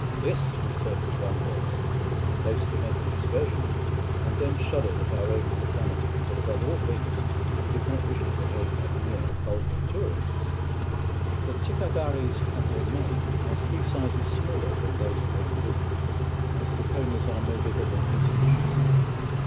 "This," we said with one voice, "is the place to make an excursion to," and then shuddered at our own profanity, for above all things we did not wish to behave like mere vulgar tourists. The ticca gharies at Moulmein are three sizes smaller than those of Rangoon, as the ponies are no bigger than decent sheep.